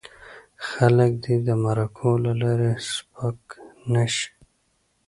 خلک دې د مرکو له لارې سپک نه شي.